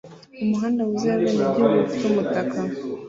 umuhanda wuzuye abenegihugu bafite umutaka